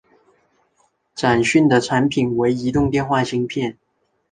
展讯的产品为移动电话芯片。